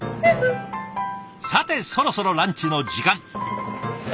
さてそろそろランチの時間。